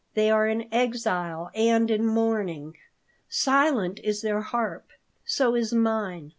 They are in exile and in mourning. Silent is their harp. So is mine.